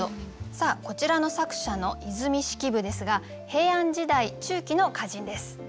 こちらの作者の和泉式部ですが平安時代中期の歌人です。